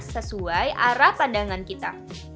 sesuai arah pandangan kita